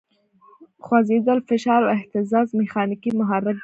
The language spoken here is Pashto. خوځېدل، فشار او اهتزاز میخانیکي محرک دی.